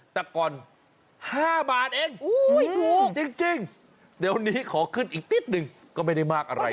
แต่ก่อน๕บาทเองถูกจริงเดี๋ยวนี้ขอขึ้นอีกนิดนึงก็ไม่ได้มากอะไร